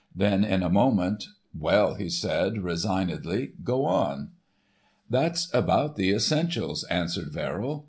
Then in a moment, "Well," he said, resignedly, "go on." "That's about the essentials," answered Verrill.